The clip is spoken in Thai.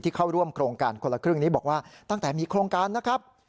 เข้าร่วมโครงการคนละครึ่งนี้บอกว่าตั้งแต่มีโครงการนะครับ